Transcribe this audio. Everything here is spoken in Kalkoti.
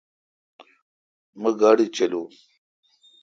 مہ گاڑی چلاو۔